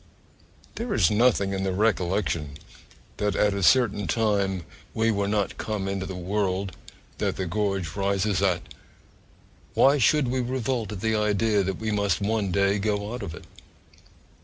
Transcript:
There is nothing in the recollection that at a certain time we were not come into the world that 'the gorge rises at' why should we revolt at the idea that we must one day go out of it?